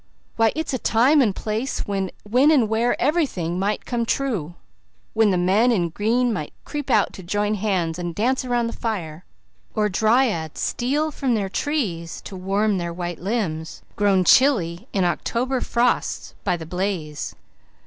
Why, it's a time and place when and where everything might come true when the men in green might creep out to join hands and dance around the fire, or dryads steal from their trees to warm their white limbs, grown chilly in October frosts, by the blaze.